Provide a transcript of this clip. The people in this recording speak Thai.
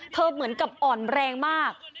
เหมือนกับอ่อนแรงมาก